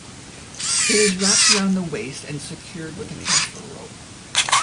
It is wrapped around the waist and secured with a kafa rope.